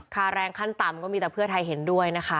คารแรงคัดต่ำมีแต่เพื่อไทยเห็นด้วย